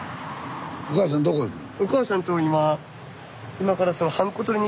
お母さんどこ行くの？